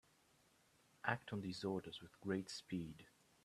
Act on these orders with great speed.